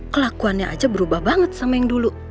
kelakuannya aja berubah banget sama yang dulu